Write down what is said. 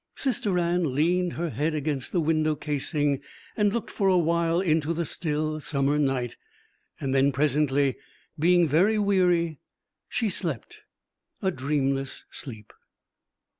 Sister Anne leaned her head against the window casing and looked for a while into the still summer night; then presently, being very weary, she slept, a dreamless sleep.